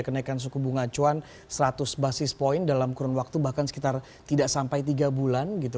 kenaikan suku bunga acuan seratus basis point dalam kurun waktu bahkan sekitar tidak sampai tiga bulan gitu